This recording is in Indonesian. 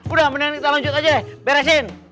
udah mendingan kita lanjut aja deh beresin